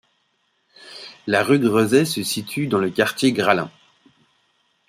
La rue Gresset se situe dans le quartier Graslin.